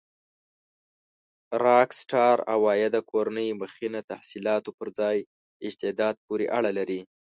راک سټار عوایده کورنۍ مخینه تحصيلاتو پر ځای استعداد پورې اړه لري.